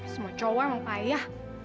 semua cowok sama ayah